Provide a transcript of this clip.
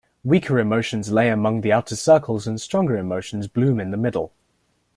Weaker emotions lay among the outer circles and stronger emotions bloom in the middle.